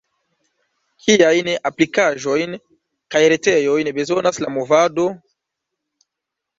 Kiajn aplikaĵojn kaj retejojn bezonas la movado?